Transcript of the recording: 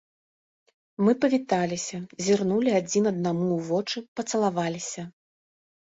Мы павіталіся, зірнулі адзін аднаму ў вочы, пацалаваліся.